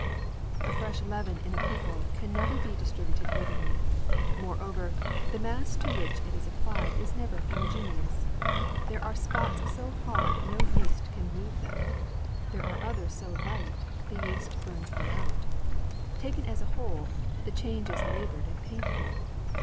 A fresh leaven in a people can never be distributed evenly. Moreover, the mass to which it is applied is never homogeneous. There are spots so hard no yeast can move them; there are others so light the yeast burns them out. Taken as a whole, the change is labored and painful.